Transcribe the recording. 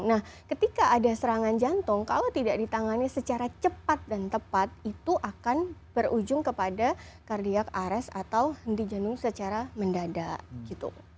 nah ketika ada serangan jantung kalau tidak ditangani secara cepat dan tepat itu akan berujung kepada kardiak ares atau henti jantung secara mendadak gitu